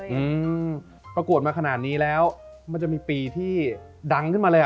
อืมประกวดมาขนาดนี้แล้วมันจะมีปีที่ดังขึ้นมาเลยอ่ะ